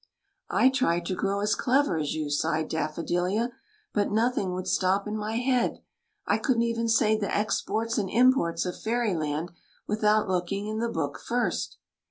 '' I tried to grow as clever as you," sighed Daffodilia, "but nothing would stop in my head. I couldn't even say the exports and imports of Fairyland without looking in the book first